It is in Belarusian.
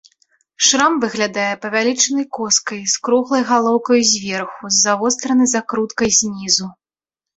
Шрам выглядае павялічанай коскай з круглай галоўкаю зверху, з завостранай закруткай знізу.